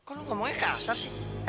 kok lu ngomongnya kasar sih